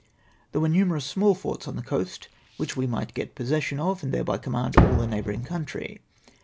There were numerous small forts on the coast which we might get possession of, and thereby command all the neighbouring country.